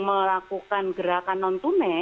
melakukan gerakan nontonnya